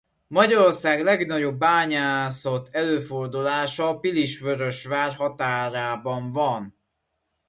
Magyarország legnagyobb bányászott előfordulása Pilisvörösvár határában van.